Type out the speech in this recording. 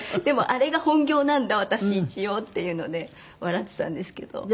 でもあれが本業なんだ私一応っていうので笑ってたんですけど。